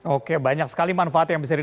oke banyak sekali manfaat yang bisa di